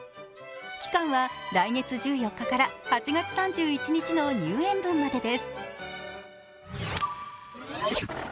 期間は来月１４日から８月３１日の入園分までです。